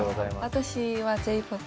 私はＪ−ＰＯＰ